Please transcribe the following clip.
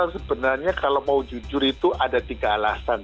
sebenarnya kalau mau jujur itu ada tiga alasan